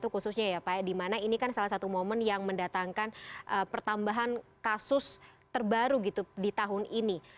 khususnya ya pak di mana ini kan salah satu momen yang mendatangkan pertambahan kasus terbaru di tahun ini